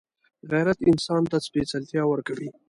غیرت انسان ته سپېڅلتیا ورکوي